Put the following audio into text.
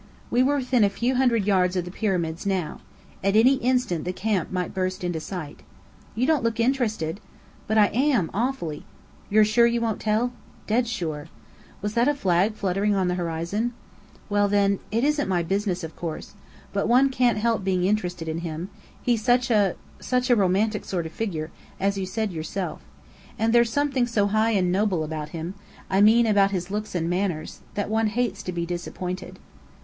We were within a few hundred yards of the Pyramids now. At any instant the camp might burst into sight. "You don't look interested!" "But I am, awfully!" "You're sure you won't tell?" "Dead sure." (Was that a flag fluttering on the horizon?) "Well, then it isn't my business, of course. But one can't help being interested in him, he's such a such a romantic sort of figure, as you said yourself. And there's something so high and noble about him I mean, about his looks and manners that one hates to be disappointed."